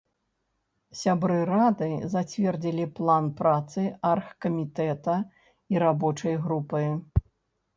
Сябры рады зацвердзілі план працы аргкамітэта і рабочай групы.